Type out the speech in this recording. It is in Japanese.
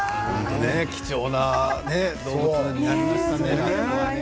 貴重な動物になりましたね。